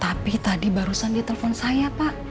tapi tadi barusan dia telepon saya pak